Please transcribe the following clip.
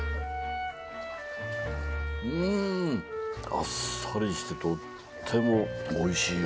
ん！あっさりしてとってもおいしいよ。